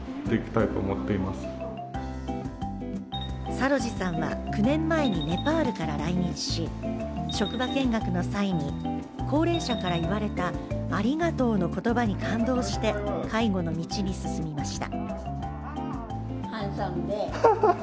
サロジさんは９年前にネパールから来日し、職場見学の際に、高齢者から言われたありがとうの言葉に感動して介護の道に進みました。